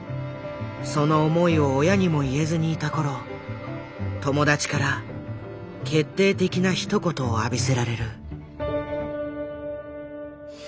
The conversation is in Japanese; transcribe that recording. その思いを親にも言えずにいた頃友達から決定的なひと言を浴びせられる。